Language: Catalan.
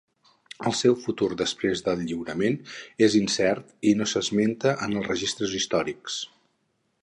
El seu futur després del lliurament és incert i no s'esmenta en els registres històrics.